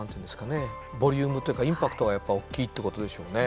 ボリュームっていうかインパクトがやっぱ大きいってことでしょうね。